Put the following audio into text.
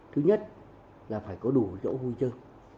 thứ nhất là phải có đủ chỗ vui chơi